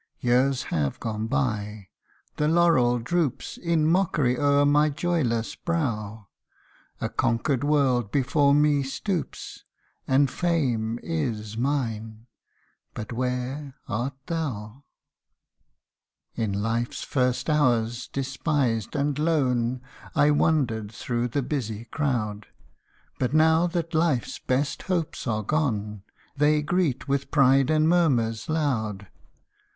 Years have gone by the laurel droops In mockery o^er my joyless brow : A conquered world before me stoops, And Fame is mine but where art thou ? 214 WHEN POOR IN ALL BUT HOPE AND LOVE. In life's first hours, despised and lone, I wandered through the busy crowd ; But now that life's best hopes are gone, They greet with pride and murmurs loud.